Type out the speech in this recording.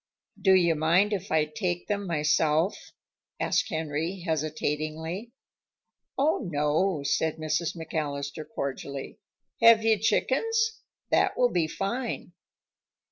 "Do you mind if I take them myself?" asked Henry, hesitatingly. "Oh, no," said Mrs. McAllister cordially. "Have you chickens? That will be fine."